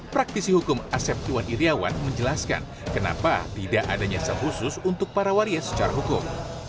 praktisi hukum asep iwan iryawan menjelaskan kenapa tidak adanya sel khusus untuk para waria secara hukum